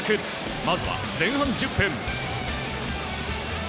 まずは前半１０分。